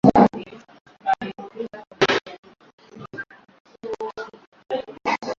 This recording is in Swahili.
Alishuka na kupiga hatua kuelekea dukani akiacha injini ya gari ikiunguruma ishara ya kutokawia